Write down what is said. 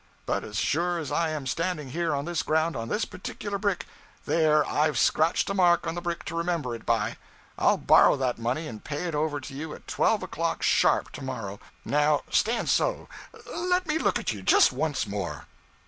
But as sure as I am standing here on this ground on this particular brick, there, I've scratched a mark on the brick to remember it by, I'll borrow that money and pay it over to you at twelve o'clock sharp, tomorrow! Now, stand so; let me look at you just once more.'